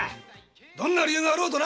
どんな理由があろうとな！